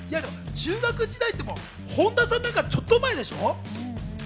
中学時代って本田さんなんか、ちょっと前でしょ？